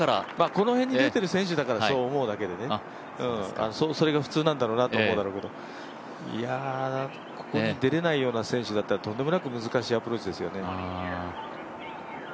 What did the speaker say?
この辺に出てる選手だからそう思うだけでねそれが普通なんだろうなと思うけれども、ここに出られないような選手だったら、とんでもなく難しいアプローチですよね。